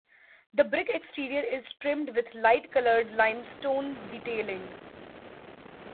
The brick exterior is trimmed with light colored limestone detailing.